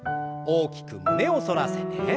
大きく胸を反らせて。